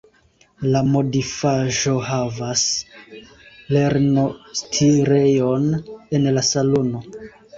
La modifaĵohavas lernostirejon en la salono.